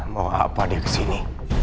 mau apa dia ke sini